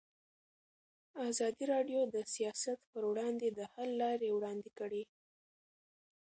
ازادي راډیو د سیاست پر وړاندې د حل لارې وړاندې کړي.